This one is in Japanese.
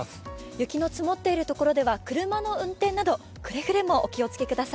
雪の積もっているところでは車の運転などくれぐれもお気をつけください。